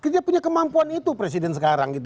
dia punya kemampuan itu presiden sekarang